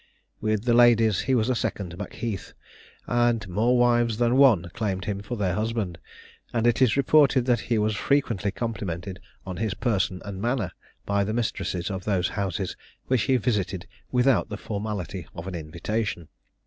With the ladies he was a second Macheath, and more wives than one claimed him for their husband; and it is reported that he was frequently complimented on his person and manner, by the mistresses of those houses which he visited without the formality of an invitation.